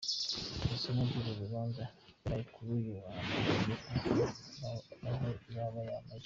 Isomwa ry’uru rubanza ryabaye kuri uyu wa Mbere aho yaba Maj.